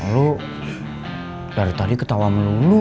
lo dari tadi ketawa sama lulu